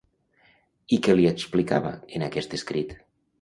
I què li explicava en aquest escrit?